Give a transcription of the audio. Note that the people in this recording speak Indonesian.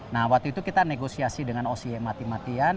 nah waktu itu kita negosiasi dengan oce mati matian